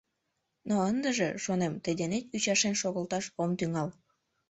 «Но ындыже, — шонем, — тый денет ӱчашен шогылташ ом тӱҥал.